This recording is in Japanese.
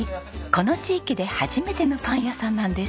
この地域で初めてのパン屋さんなんです。